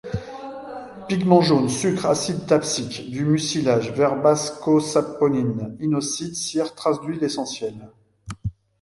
Pigment jaune, sucres, acide thapsique, du mucilage, verbascosaponine, inosite, cires, traces d'huile essentielle.